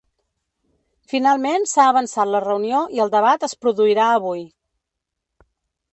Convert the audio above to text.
Finalment s’ha avançat la reunió i el debat es produirà avui.